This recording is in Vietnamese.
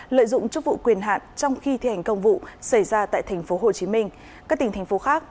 lợi dụng chức vụ quyền hạn trong khi thi hành công vụ xảy ra tại tp hcm các tỉnh thành phố khác